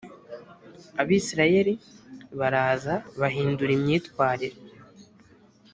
abisirayeli baraza bahindura imyitwarire.